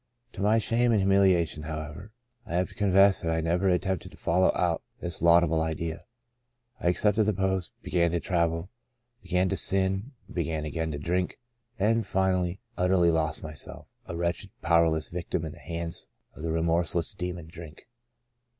To my shame and hu miliation, however, I have to confess that I never attempted to follow out this laudable idea. I accepted the post, began to travel, began to sin, began again to drink, and, finally, utterly lost myself — a wretched, power less victim in the hands of the remorseless demon drink.'